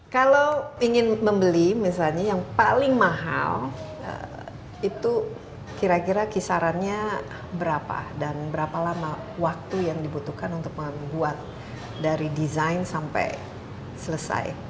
kalau ingin membeli misalnya yang paling mahal itu kira kira kisarannya berapa dan berapa lama waktu yang dibutuhkan untuk membuat dari desain sampai selesai